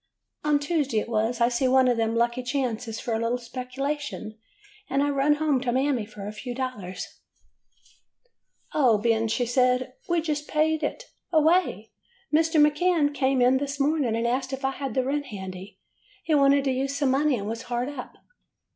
''On Tuesday, it was, I see one of them lucky chances for a little speculation, and I run home to Mammy for a few dollars. [ 56 ] HOW BEN FOUND SANTA CLAUS " 'O, Ben/ she said, 'I Ve just paid it away. Mr. McCann came in this morning and asked if I had the rent handy. He wanted to use some money, and was hard up.